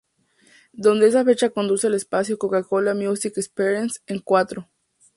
Desde esa fecha conduce el espacio "Coca Cola Music Experience" en Cuatro.